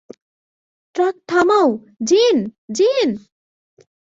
Truck থামাও, জিন, জিন।